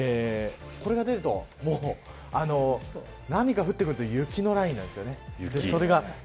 これが出ると何が降ってくるというと雪のラインなんです。